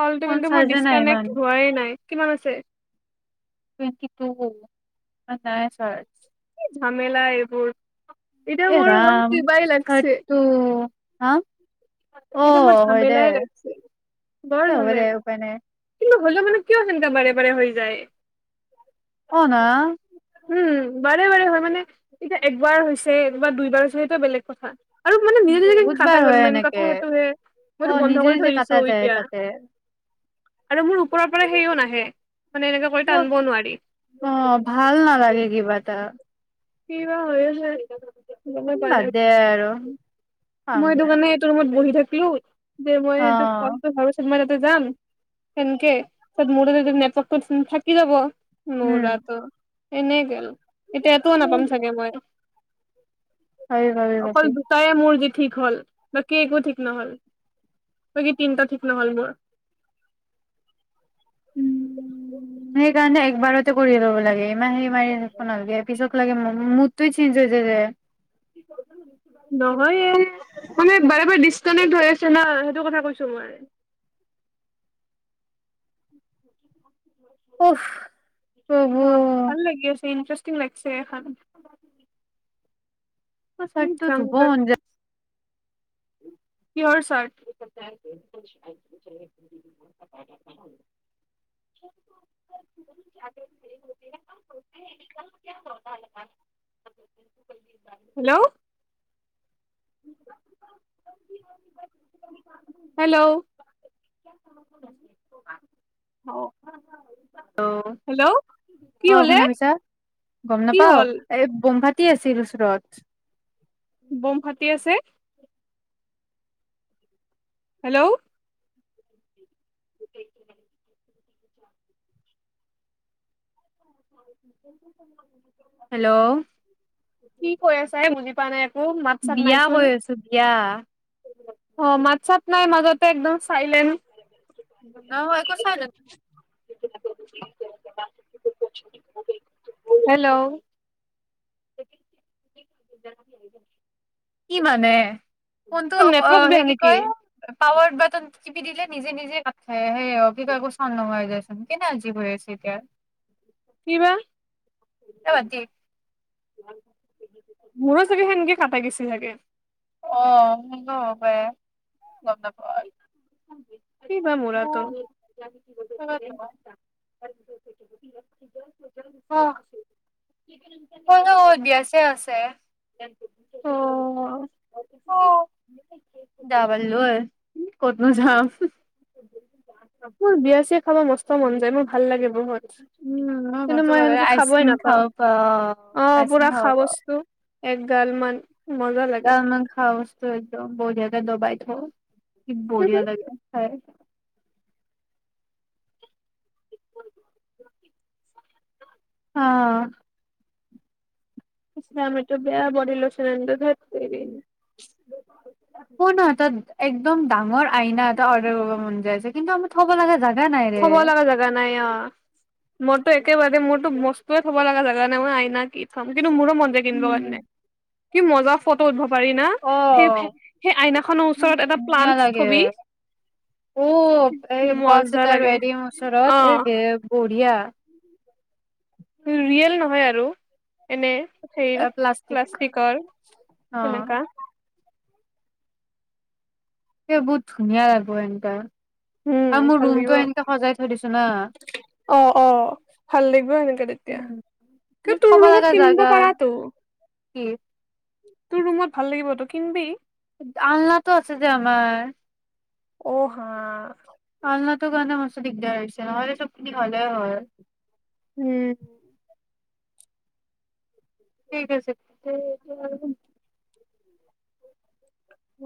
কলটো ফোন কিন্তু মোৰ চাৰ্জে নাই ইমান ডিচকানেক্ট হোৱাই নাই কিমান আছে টোৱেন্তি টো মই নাই চোৱা ঝামেলা এইবোৰ এতিয়া এই মোৰ অকল ৰাম কিবাই লাগছে সু হাঁ এতিয়া মোৰ ঝমেলাই লাগিছিল বৰ এ হয় দে ঝমেলা উপায় নাই কিন্তু হলে মানে কিয় সেনো বাৰে বাৰে হৈ যায় অনা উম বাৰে বাৰে হয় মানে এতিয়া একবাৰ হৈছে বা দুইবাৰ হৈছে সেইটো বেলেগ কথা আৰু মানে নিজে নিজে বহুত কটা বাৰ গ'ল হয় মেইন এনেকে কথা সেইটো হে অ মইতো বন্ধ নিজে কৰি নিজে থৈ দিছো কটা যায় এতিয়া তাতে আৰু মোৰ ওপৰৰ পৰা সেইওঁ নাহে মানে এনেকে কৰি অঁ টানিব নোৱাৰি অঁ ভাল নালাগে হে কিবা এটা কিবা হয় ন গমে উম, পোৱা বাদ নাই দে আৰু কাম মই এইটো নাই কাৰণে এইটো ৰুমত বহি থাকি পিউত যে মই অ সেইটো ফলটো ভাব পিছত মই যাম সেনকে তছত মূতে নেপকৈ থাকি যাব উম নৰাটো এনেই গলো এতিয়া ও নাপাম উম, চাগে মই [unintelligible] ভাবি ভাবি ভাবি অকল দুটাইয়ে মোৰ জীৱন ঠিক হ'ল বাকী একো ঠিক নহল বাকী তিনটা ঠিক নহল মোৰ উম সেইকাৰণে একবাৰতে কৰি ল'ব লাগে। মাহে মাহে ৰখিব নালাগে পিছক লাগে মোক মোৰতো চেঞ্জ হৈছেগে নহয় এই মানে বাৰে বাৰে ডিচকানেক হৈ আছে না সেইটো কথা কৈছো মই উফ প্ৰভু ভাল লাগি আছে ইণ্টাৰেষ্টিং লাগিছে এখন চাট টো ধুব জংগল মন যায় কিহৰ চাট হেল্ল' হেল্ল' অ হেল্ল' কি অ হলে শুনা পিইছা গম কি নাপাওঁ হ'ল এই বিয়া কি আছিল ওচৰত বম ফাটি আছে হেল্ল' [unintelligible] হেল্ল' [unintelligible] কি কৈ আছা এই বুজি পোৱা পাৰে বিয়া কৈ আছো বিয়া অ মাছাত নাই মাজতে একদম চাইলেণ্ট নহয় কই [unintelligible] হেল্ল' জ কি মানে কোনটো অ নেটৱৰ্ক সে বেয়া কি নেকি কয় পাৱাৰ বটম সি দিলে নিজে নিজে কাত খাই আহে কি কয় একো চাওন নহা হৈ আছে যায়চোন কেনা আলজীৱ হৈ আছে এতিয়া কিবা বাদ দে মোৰো চাগে সেনকে কাটা গৈছে চাগে অ সেইটো হ'ব পাৰে গম নাপাওঁ কি বা অ মুৰাটো ক'ত অ অ বিয়া চিয়া আছে অ অ ডাবাল দৰ ক'তনো যাম মোৰ বিয়া চিয়া খাব মষ্ট মন যায় মোৰ ভাল লাগে বহুত উম মই কিন্তু ভাল সেনেকে খাবই আইচক্ৰীম নাপাওঁ খাব পা আইচক্ৰীম খাব পাও জালমানমান কলমং খাও চ বহুত জেগা দবাইত হ কি বঢ়িয়া লাগে হয় অ মিটো বেয়া ব লোচন ধ ক ন আটা এক একদম ডাঙৰ আইনা এটা অৰ্ডাৰ কৰিব মন যায় ‌ যে আছে কিন্তু আমি থ'ব লগা নাই ৰে। থব লগা জোগা নাই অ মোৰতো একেবাৰে মোৰতো বস্তুৱে থব লগা জেগা নাই মই আইনা কি থম কিন্তু মোৰো মন যে কিনিব উম। কাৰণে কি মজাৰ ফটো উদ্ভৱ পাৰি না অ', সেই আইনা খন ইমান ওচৰত এটা ধুনীয়া প্লান্টচ লাগে। থবি ম তাৰ এৰি ওচৰত এই বঢ়িয়া ৰিয়েল নহয় আৰু এনে সেৰ প্লাষ্টিক প্লাষ্টিকৰ অ', সেনেকা এ বহুত ধুনীয়া লাগিব এনকা উম ভাল লাগিব দিছো না। অ অ ভাল লাগিব সেনেকে তেতিয়া উম। ক তোৰ থব লগা ৰুমত কিনিব জাগা পাৰাতো কি তোৰ ৰুমত ভাল লাগিব তই কিনিবি আলনাটো আছে যে আমাৰ অহ হা আলনাটোৰ কাৰণে মানে বেছি দিগদাৰ হৈছে নহ'লে চবখিনি হলেই হয় উম ঠিক আছে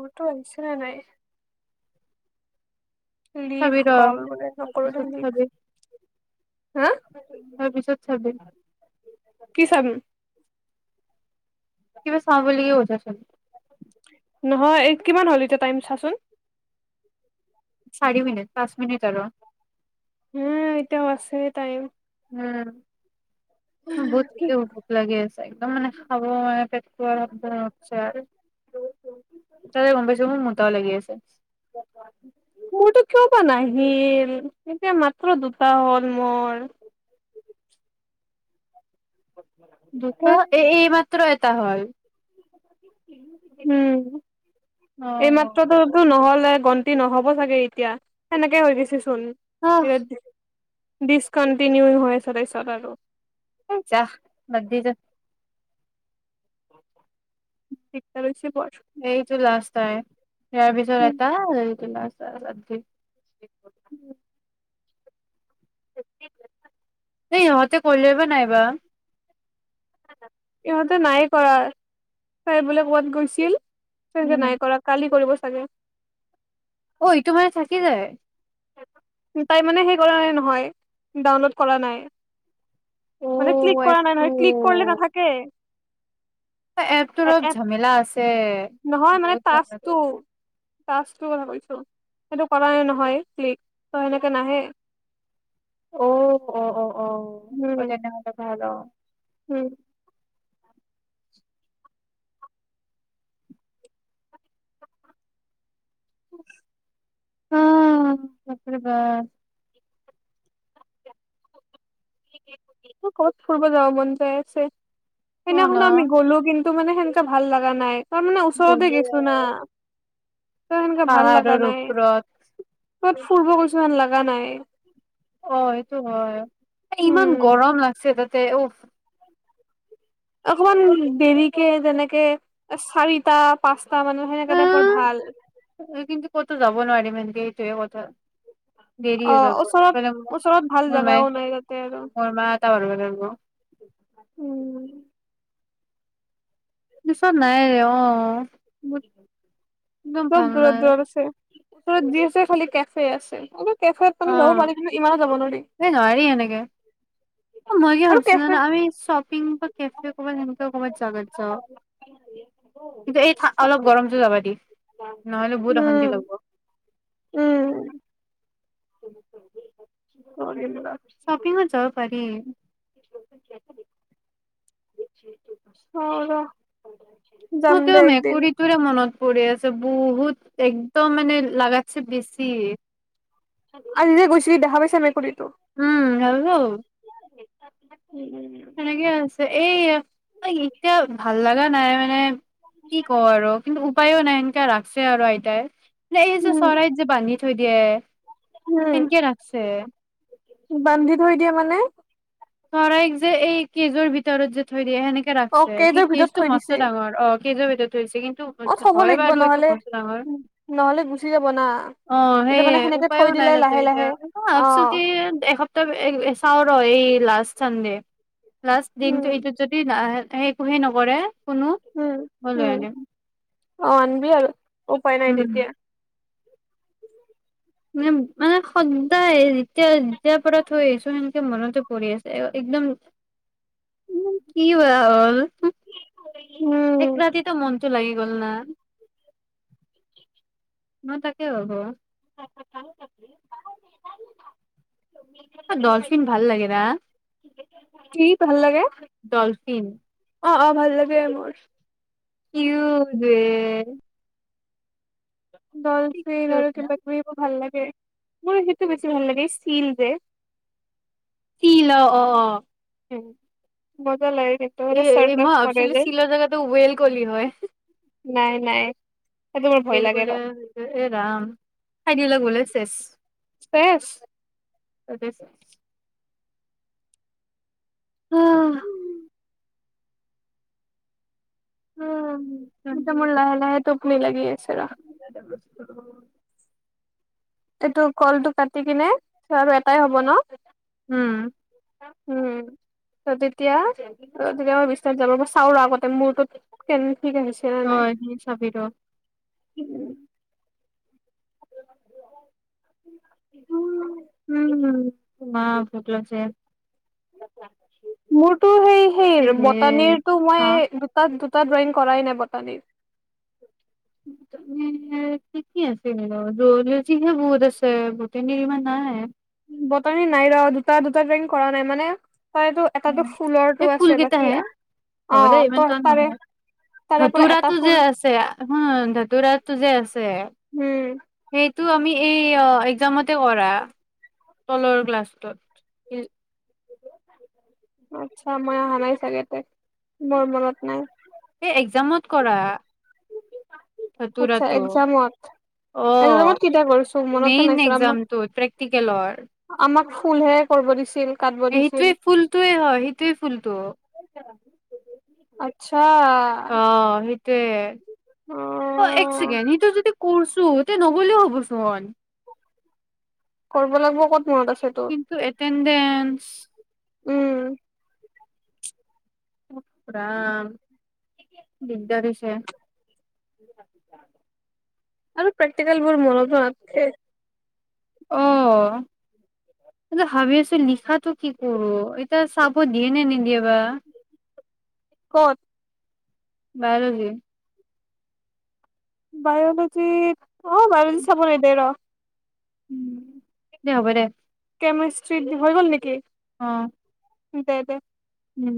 মোৰতো শুনিচানে নাই লিফ চাবি ৰ কল ব সকলো যে তাৰপিছত লিভ হা তাৰ পিছত চাবি কি চাবি কিবা চাওঁ বুলিল কি বওজা চ নহয় কিমান হ'ল এতিয়া টাইম চাচোন চাৰি মিনিট পাঁচ মিনিট আৰু হ এতিয়াও আছে তাইম উম বহুত ভোক লাগি আছে একদম মানে খাব মানে পেট পোৱাইছে আৰু তাতে গম পাইছো মোৰ মোটাও লাগি আছে মোৰতো কিয় বা নাহিল এতিয়া মাত্ৰ দুটা হ'ল মোৰ দুটা উম এ এইব পাত্ৰ এটা হল। উম। অ এইমাত্ৰটো নহ'ল। ত গন্তি নহব চাগে এতিয়া হেনেকে হৈ গছে। চন আহ এয়াত দে ডিছকণ্টিনিউ হৈ আছে তাৰপিছত আৰু এ যা বাদ দে যা। [unintelligible] এইটো লাষ্ট তাই ইয়াৰ পিছৰ এটা ৰিল তুলা আছে। আ [unintelligible] [inaudible] এই ইহঁতে কৰিলে বা নাইবা। সিহঁতে নাই কৰা তাই বোলে ক'বাত গৈছিল। তাকে উম, নাই কৰা কালি কৰিব চ। চাগে। অ ইটো মানে থাকি যায়। তাই মানে হেৰি কৰা নাই নহয় ডাউনলোড কৰা নাই মানে ক্লিক অ' কৰা নাই নহয় ক্লিক কৰিলে নাথাকে। এপটো অলপ এপ ঝেমেলা আছে বহুত ঝেমেলা আছে। তাছটো কথা কৈছো সেইটো কৰা নাই নহয়। ত সেনেকে নাহে। অ অ অ। অ অ উম তেনেহলে ভাল অ। উম। উ অ সাপৰিবা কবাত ফুৰিব যাব মন যায় আছে। অ' না সেইদিনাখনো আমি গ'লো কিন্তু মানে সেনকা ভাল লগা নাই। তাৰ মানে ওচৰতে গ'লোৱে গৈছো না ত সেনেকাে ভাল লগা পাহাৰৰ ওপৰত নাই। ফুৰিব গৈছো হেন লগা নাই এ ইমান উম গৰম লাগছে গা তাতে উফ। অকমান দেৰিকে যেনেকে চাৰিটা পাঁচ। তা মানে সে কেইটা ভাল তো যাব নোৱাৰি তেনেকৈ এইটোয়ে কথা দেৰি অ হৈ যাব এইফালে মোৰ ওচৰত ওচৰত ভাল মোৰ মায়ে জোগাও নাই তাতে আৰু [unintelligible] উম পিছত নাই অ মোৰ একদম ভাল বহুত দূৰত নাই দূৰত আছে ওচৰত জি আছে খালি কেফে আছে কেফেত অ মানে যাব পাৰি কিন্তু ইমানো যাব নোৱাৰি এই নোৱাৰি এনেকে মই কি আৰু ভাবিছিলো কেফে আমি শ্বপিং কেফে কবাত সেনেক কবাত জাগাত যাও কিন্তু এই ঠা অলপ গৰমজো লগা দি খালা নহলে বহুত অশান্তি লাগব উম‌ মৰিগ'ল শ্বপিংত যাব পাৰি হা ৰ যাম মোৰ তো দে একদিন মেকুৰীটোৰে মনত পৰি আছে। বহুত এক তো মানে লাগাছে বেছি আৰু নিজে গৈছি দেহা পইচা মেকুৰী তো উম হেল্ল সেনেকে আছে এই ইতিয়া ভাল লগা নাই মানে কি ক আৰু কিন্তু উপায়ো নাই ন এেৰাখছে আৰু আইটাই লে এই যে উম চৰাইত যে বান্ধি থৈ দিয়ে উম তেনকে ৰাখছে বান্ধি থৈ দিয়ে মানে চৰাইক যে এই কেজুৰ ভিতৰত যে থৈ দিয়ে সেনেকে অ ৰাখছে কি কেইজৰ ভিতৰত কেচটো থৈ দিছে মস্ত ডাঙৰ অ কেইজোৰ ভিতৰ অ থব লাগিব নহলে ডাঙৰ নহলে গুচি যাব না অ এতিয়া সেইয়ে মানে সেনেকে উপায়ো থৈ নাই দিলে তাতে লাহে এতিয়া লাহে অ ভাবছো কি এসপ্তাহ চাও ৰ এই লাষ্ট চান্দে লাষ্ট দিনটো উম এইটো যদি না এক হেই নকৰে কোনো উম মই লৈ উম আনিম অ আনবি আৰু। উপাই নাই উম তেতিয়া। মানে সদায় যেতিয়া যেতিয়া পৰা থৈ আহিছোঁ সেনেকে মনতে পৰি আছে। একদম একম কি হ'ল, [unintelligible] এক ৰাতিতে মনটো লাগি গল না? মই তাকে ভাবোঁ। ত কালাক ডলফিন ভাল লাগে ন কি ভাল লাগে ডলফিন অ অ ভাল লাগে মোৰ কিউট বে কি দলফিন কিউট আৰু না। কিবাকিবি বোৰ ভাল লাগে। মোৰ সেইটো বেছি ভাল লাগে। ষ্টীল যে, তিল। অ, অ, অ। উ, মজা লাইফ। এ এ মই ভাবিলোঁ চিলোৱা জেগাটো বেলকলি হয়। নাই নাই সেইটো মোৰ ভয় লাগে বেলকলি ৰ আৰু এনেকে এ ৰাম, খাই দিলে বোলে ছেচ। [inaudible] চেচ উম। উম এতিয়া মোৰ লাহে লাহে তুপনি লাগি আছে আৰু। উ এইটো কলটো কাটি কিনে আৰু এটাই হব ন? উম। উম ত তেতিয়া। তেতিয়া মই বিশ্বনাথ যাব চাও ৰ আগতে মূৰটো কে অ নি চাবি ৰ উম উম। উ উম মা ভোক লাগছে। মোৰ তো সেই সেই বটানিৰটো মই দুটাত দু তই ড্ৰয়িং কৰাই নাই বটানিৰ। ত এনেই কি কি আছিলে বাৰু? জ'লজী হে বহত আছে বুটানি ইমান নাই। বটানি নাই লোৱা আৰু, দুটা দুটা জেং কৰা নাই। মানে তাৰেতো উ এটাতো ফুলৰটো এই ফুল আছে বাকী কেইটাহে। অ হ'ব দেই ত ইমান টান তাৰে নহয় তাৰে পৰা এটা ধতুৰাটো যে ফুল আছে, হ ধতুৰা এইটো যে আছে। যে, উম সেই টো আমি এই একজামতে কৰা, তলৰ ক্লাছটোত। আচ্ছা মই অহা নাই চাগে তাতে। মোৰ মনত নাই। এই এক্জামত কৰা আচছা ধতুৰাটো এক্জামত অ এক্জামত কেতিয়া কৰিছো মনতে মেইন নাছিল আমাক এক্জামটোত প্ৰেক্টিকেলৰ আমাক ফুলহে কৰিব দিছিল কাটব দিছিল সেইটোৱে ফুলটোৱে হয় সেইটোৱে ফুলটো আত্ছা অ সেইটো তে অ এক ছেকেণ্ড সটো যদি কৰছো তে নগ'লেও হ'বচোন কৰিব লাগিব ক'ত মনত আছে তোৰ উঞ্চ উম' উখ ৰাম দিগদাৰছে আৰু প্ৰোক্টিকেল বোৰ মনতো নাথকে অ এই ভাবি আছো লিখাতটো কি কৰো এতিয়া চাব দিয়ে নে নিদিয়ে বা ক'ত বাইিৰজি [unintelligible] বায়'লজি অ বায়লজি চাব নি দে ৰ উ দে হ'ব দে কেমিষ্ট্ৰি হৈ গ'ল নেকি অ' দে দে উম